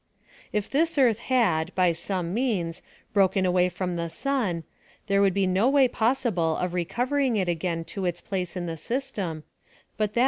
If this earth had, by some means, broken away from the sun, there would be no way possible of re covering it again to its place in the systrm, but that FLAN OF SALVATI3N.